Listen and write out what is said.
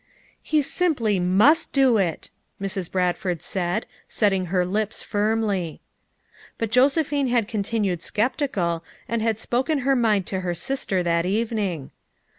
"He simply must do it," Mrs. Bradford said, setting her lips firmly. But Josephine had continued skeptical and had spoken her mind to her sister that even ing.